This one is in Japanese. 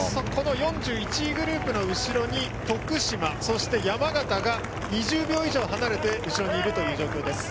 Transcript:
４１位グループの後ろに徳島、山形が２０秒以上離れて後ろにいる状況です。